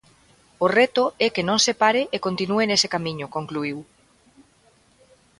O reto é que non se pare e continúe nese camiño, concluíu.